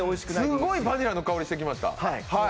すごいバニラの香りしてきました。